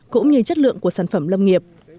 cũng như chất lượng của sản phẩm lâm nghiệp